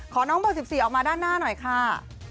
น้องเบอร์๑๔ออกมาด้านหน้าหน่อยค่ะ